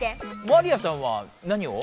マリアさんは何を？